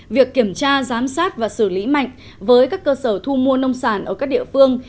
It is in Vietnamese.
việc kiểm tra giám sát và xử lý mạnh với các cơ sở thu mua nông sản ở các địa phương